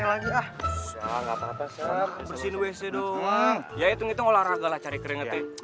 wc lagi ah enggak patah patah bersih wc doang ya itu olahraga lah cari keringetnya